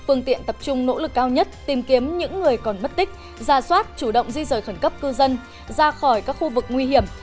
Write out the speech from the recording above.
phương tiện tập trung nỗ lực cao nhất tìm kiếm những người còn mất tích ra soát chủ động di rời khẩn cấp cư dân ra khỏi các khu vực nguy hiểm